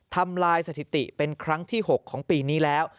ทำลายสถิติเป็นครั้งที่๖ของปีนี้แล้ว